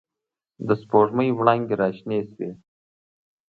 د سپوږ مۍ وړانګې را شنې شوې